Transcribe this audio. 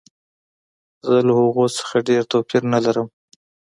زه له هغوی څخه ډېر توپیر نه لرم